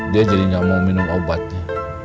dia jadi nggak mau minum obatnya